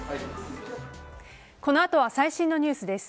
このあとは最新のニュースです。